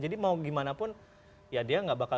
jadi mau gimana pun ya dia gak bakal